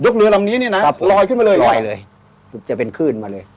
เรือลำนี้เนี่ยนะลอยขึ้นมาเลยลอยเลยจะเป็นคลื่นมาเลย